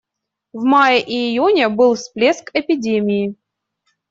В мае и июне был всплеск эпидемии.